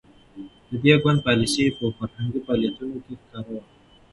د دې ګوند پالیسي په فرهنګي فعالیتونو کې ښکاره وه.